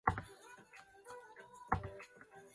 面条制作过程需要大量人工。